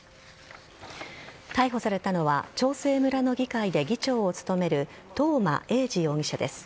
逮捕されたのは長生村の議会で議長を務める東間永次容疑者です。